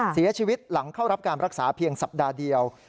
เสียชีวิตหลังเข้ารับการรักษาเพียงสัปดาห์เดียว